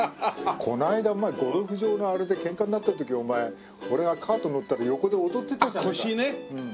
この間お前ゴルフ場のあれでケンカになった時お前俺がカート乗ったら横で踊ってたじゃねえか。